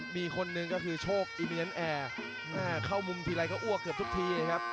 มีคนหนึ่งก็คือโชคอีเมียนแอร์เข้ามุมทีไรก็อ้วกเกือบทุกทีครับ